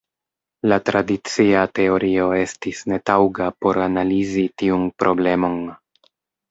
La tradicia teorio estis netaŭga por analizi tiun problemon.